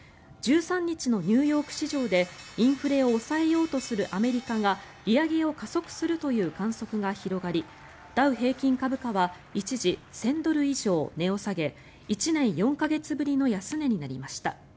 １３日のニューヨーク市場でインフレを抑えようとするアメリカが利上げを加速するという観測が広がりダウ平均株価は一時、１０００ドル以上値を下げ１年４か月ぶりの安値になりました。